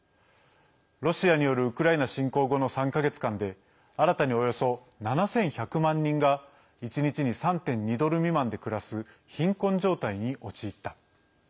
ロシアによるウクライナ侵攻後の３か月間で新たに、およそ７１００万人が１日に３．２ドル未満で暮らす貧困状態に陥った。